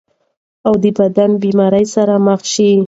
او بدن د بيمارۍ سره مخ شي -